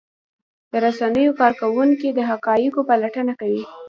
د رسنیو کارکوونکي د حقایقو پلټنه کوي.